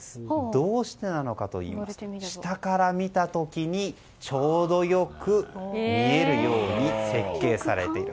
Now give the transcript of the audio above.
どうしてなのかといいますと下から見た時にちょうどよく見えるように設計されている。